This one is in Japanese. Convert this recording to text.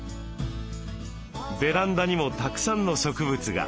ベランダにもたくさんの植物が。